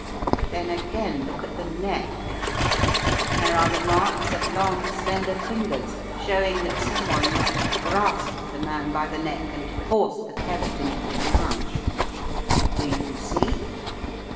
Then again, look at the neck, there are the marks of long, slender fingers, showing that someone must have grasped the man by the neck, and forced the pellet into his mouth. Do you see?"